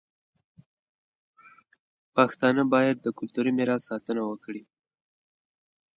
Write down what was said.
پښتانه باید د کلتوري میراث ساتنه وکړي.